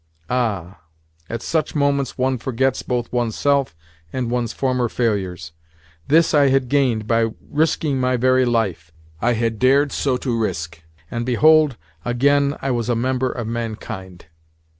Ah, at such moments one forgets both oneself and one's former failures! This I had gained by risking my very life. I had dared so to risk, and behold, again I was a member of mankind!